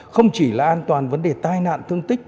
không chỉ là an toàn vấn đề tai nạn thương tích